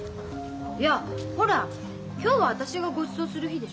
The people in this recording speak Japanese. いやほら今日は私がごちそうする日でしょ？